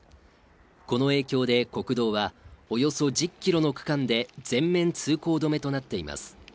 この影響で国道がおよそ１０ｋｍの区間で全面通行止めとなっています